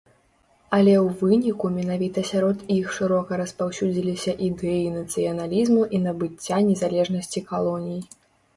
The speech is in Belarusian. Але ў выніку менавіта сярод іх шырока распаўсюдзіліся ідэі нацыяналізму і набыцця незалежнасці калоній.